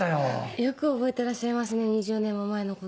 よく覚えてらっしゃいますね２０年も前のこと。